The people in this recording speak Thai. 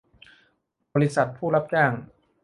บริษัทผู้รับจ้าง